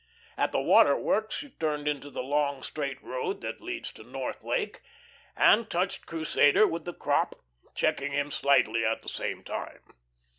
At the water works she turned into the long, straight road that leads to North Lake, and touched Crusader with the crop, checking him slightly at the same time.